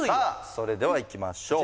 それではいきましょう